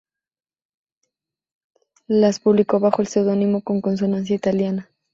Las publicó bajo seudónimo con consonancia italiana.